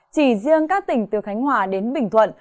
chỉ riêng các tỉnh từ khánh hòa đến bình thuận